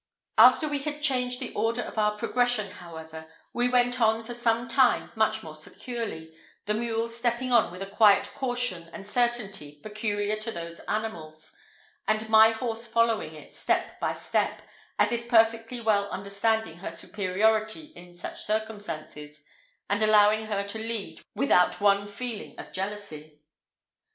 After we had changed the order of our progression, however, we went on for some time much more securely, the mule stepping on with a quiet caution and certainty peculiar to those animals, and my horse following it step by step, as if perfectly well understanding her superiority in such circumstances, and allowing her to lead without one feeling of jealousy.